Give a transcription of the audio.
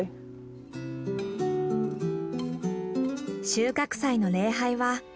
収穫祭の礼拝は２日後。